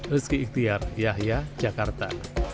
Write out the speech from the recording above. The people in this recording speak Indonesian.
rizky iktiar yahya jakarta